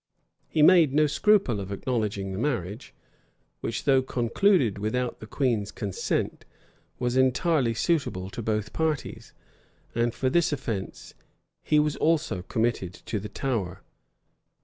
He made no scruple of acknowledging the marriage, which, though concluded without the queen's consent, was entirely suitable to both parties; and for this offence he was also committed to the Tower.